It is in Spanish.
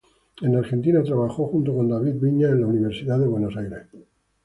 En Argentina trabajó junto con David Viñas en la Universidad de Buenos Aires.